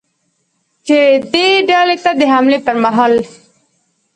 چې دې ډلې ته د حملې پرمهال ل